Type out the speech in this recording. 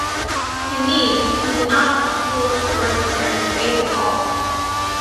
Indeed, he did not look towards Harry's face at all.